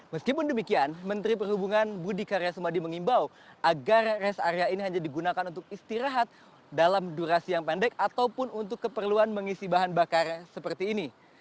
meskipun demikian menteri perhubungan budi karya sumadi mengimbau agar rest area ini hanya digunakan untuk istirahat dalam durasi yang pendek ataupun untuk keperluan mengisi bahan bakar seperti ini